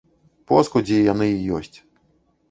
Поскудзі яны і ёсць.